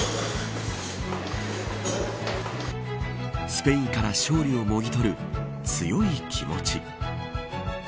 スペインから勝利をもぎ取る強い気持ち。